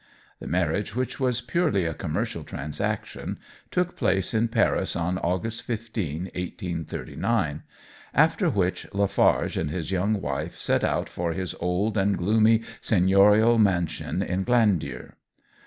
The marriage, which was purely a commercial transaction, took place in Paris on August 15, 1839, after which, Lafarge and his young wife set out for his old and gloomy seigneurial mansion in Glandier.